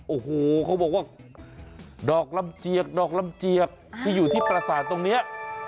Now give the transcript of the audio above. โอ้โหเขาบอกว่าดอกลำเจียกดอกลำเจียกที่อยู่ที่ประสาทตรงนี้